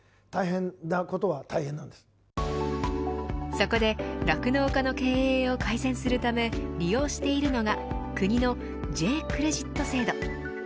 そこで酪農家の経営を改善するため利用しているのが国のＪ‐クレジット制度。